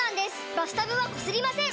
バスタブはこすりません！